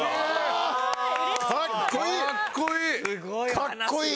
かっこいい！